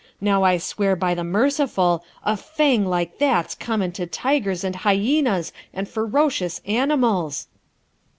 Now, I swear by the Merciful, a fang like that's common to tigers and hyaenas and ferocious animals.'